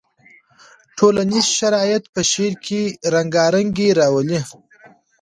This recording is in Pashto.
ټولنیز شرایط په شعر کې رنګارنګي راولي.